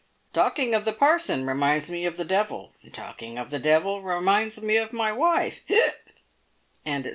Talking of the parson, reminds me of the devil, and talking of the devil, reminds me of my wife," &c.